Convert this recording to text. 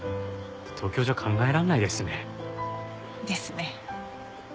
東京じゃ考えられないですね。ですね。